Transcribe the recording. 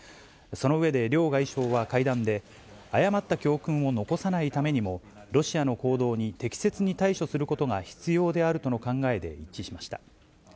その上で、両外相は会談で、誤った教訓を残さないためにも、ロシアの行動に適切に対処することが必要であるとの考えで一致しました。